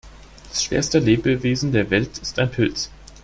Das schwerste Lebewesen der Welt ist ein Pilz.